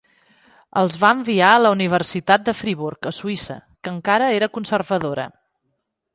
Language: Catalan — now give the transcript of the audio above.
Els va enviar a la Universitat de Friburg, a Suïssa, que encara era conservadora.